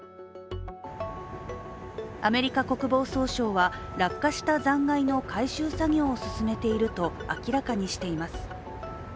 アメリカ国防総省は落下した残骸の回収作業を進めていると明らかにしています。